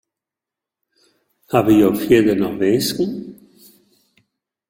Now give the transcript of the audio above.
Hawwe jo fierder noch winsken?